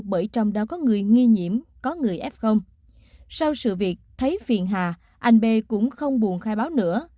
bởi trong đó có người nghi nhiễm có người f sau sự việc thấy phiền hà anh b cũng không buồn khai báo nữa